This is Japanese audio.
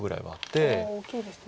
大きいですね。